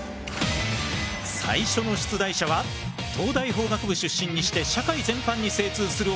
最初の出題者は東大法学部出身にして社会全般に精通する男